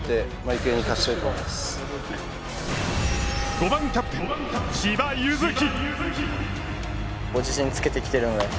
５番、キャプテン千葉柚樹。